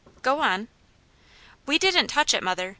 "Go on." "We didn't touch it, mother!